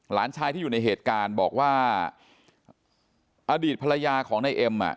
หลานชายที่อยู่ในเหตุการณ์บอกว่าอดีตภรรยาของนายเอ็มอ่ะ